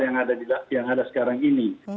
yang ada sekarang ini